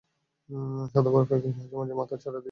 সাদা বরফের গায়ে মাঝে মাঝে মাথা চাড়া দিয়ে আছে চির সবুজ বৃক্ষেরা।